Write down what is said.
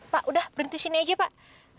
pak udah berhenti sini aja pak